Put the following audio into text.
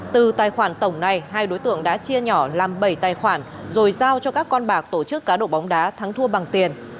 từ tài khoản tổng này hai đối tượng đã chia nhỏ làm bảy tài khoản rồi giao cho các con bạc tổ chức cá độ bóng đá thắng thua bằng tiền